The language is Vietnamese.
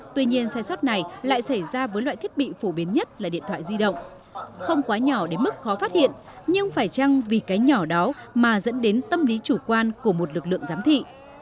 tuy nhiên sai sót này lại xảy ra với loại thiết bị phổ biến nhất là điện thoại di động không quá nhỏ đến mức khó phát hiện nhưng phải chăng vì cái nhỏ đó mà dẫn đến tâm lý chủ quan của một lực lượng giám thị